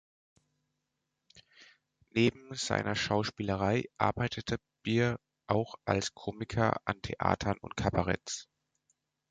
Neben seiner Schauspielerei arbeitete Birr auch als Komiker an Theatern und Kabaretts.